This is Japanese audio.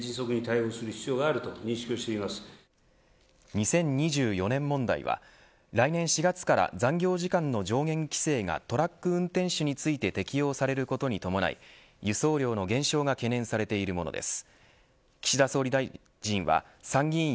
２０２４年問題は来年４月から残業時間の上限規制がトラック運転手について適用されることに伴い輸送量の減少が懸念されているものです。